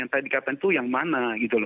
yang tadi katanya itu yang mana